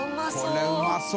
うまそう。